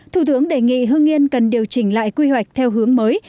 thủ tướng đề nghị hưng yên cần điều chỉnh lại quy hoạch theo hướng mới